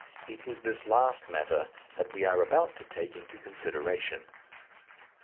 It is this last matter that we are about to take into consideration.